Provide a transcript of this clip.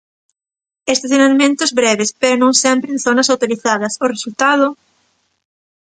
Estacionamentos breves, pero non sempre en zonas autorizadas, o resultado...